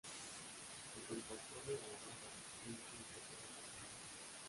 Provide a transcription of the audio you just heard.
Se contrapone a "hamada", el desierto pedregoso.